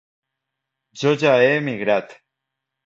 Jo ja he emigrat.